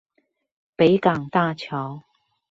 北港大橋